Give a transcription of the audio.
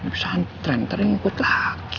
pesan tren terikut lagi